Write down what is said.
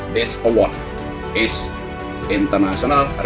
bersama dengan pemerintah dan agensi lain